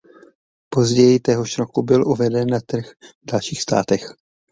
Později téhož roku byl uveden na trh v dalších státech.